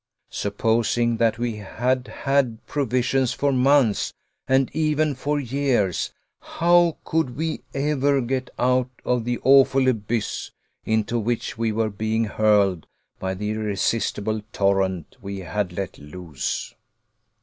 Supposing that we had had provisions for months, and even for years, how could we ever get out of the awful abyss into which we were being hurled by the irresistible torrent we had let loose?